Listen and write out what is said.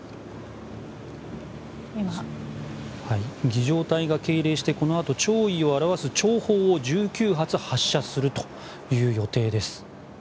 儀仗隊が敬礼してこのあと弔意を表す弔砲を１９発発射するという予定です。